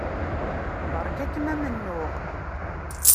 Beṛka-kem amennuɣ.